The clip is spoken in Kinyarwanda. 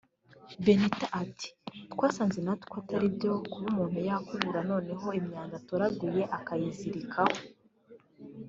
Benitha ati “Twasanze natwe atari byo kuba umuntu yakubura noneho imyanda atoraguye akayizirikaho